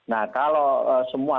nah kalau semua